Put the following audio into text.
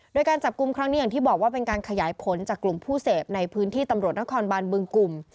โดยการจับกลุ่มครั้งนี้อย่างที่บอกว่าเป็นการขยายผลจากกลุ่มผู้เสพในพื้นที่ตำรวจนครบานบึงกลุ่ม